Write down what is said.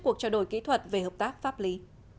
cuộc trao đổi kỹ thuật về hợp tác pháp lý